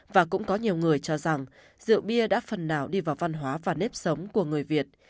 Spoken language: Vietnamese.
và cũng có nhiều người cho rằng rượu bia đã phần nào đi vào văn hóa và nếp sống của người việt